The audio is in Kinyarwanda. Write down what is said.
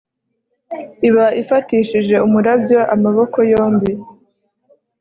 iba ifatishije umurabyo amaboko yombi